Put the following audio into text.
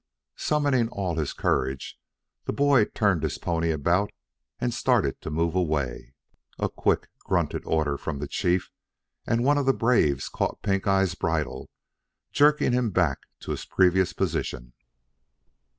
Summoning all his courage the boy turned his pony about and started to move away. A quick, grunted order from the chief and one of the braves caught Pink eye's bridle, jerking him back to his previous position.